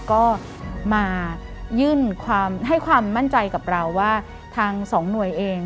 ก็มายื่นความให้ความมั่นใจกับเราว่าทางสองหน่วยเอง